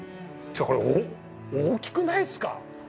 ちょっとこれ大きくないですか？